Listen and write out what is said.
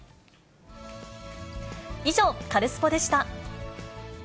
以上、カルスポっ！でした。